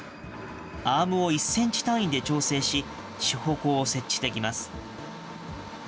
アームを１センチ単位で調整し、支保工を設置できます。